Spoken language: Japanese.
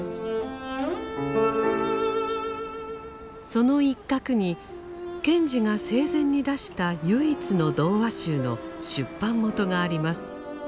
その一角に賢治が生前に出した唯一の童話集の出版元があります。